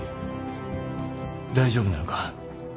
大丈夫なのか？